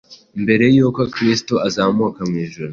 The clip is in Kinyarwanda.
Mbere y’uko Kristo azamuka mu ijuru,